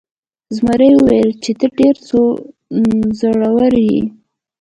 زمري وویل چې ته ډیر زړور یې.